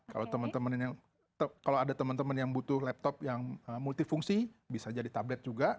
kalau ada teman teman yang butuh laptop yang multifungsi bisa jadi tablet juga